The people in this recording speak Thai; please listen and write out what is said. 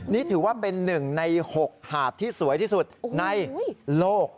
นี่ถือว่าเป็น๑ใน๖หาดที่สวยที่สุดในโลก